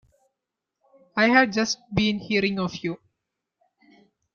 I have just been hearing of you.